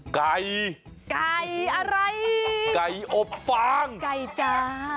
ไก่ไก่อะไรไก่อบฟางไก่จ้า